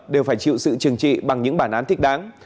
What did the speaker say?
đều phải chịu sự trừng trị bằng những bản án thích đáng